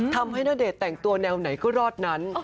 ณเดชน์แต่งตัวแนวไหนก็รอดนั้น